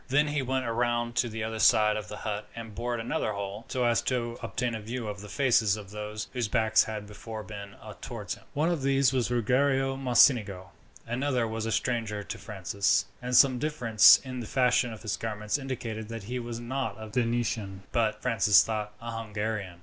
Then he went round to the other side of the hut and bored another hole, so as to obtain a view of the faces of those whose backs had before been towards him. One of these was Ruggiero Mocenigo. Another was a stranger to Francis, and some difference in the fashion of his garments indicated that he was not a Venetian, but, Francis thought, a Hungarian.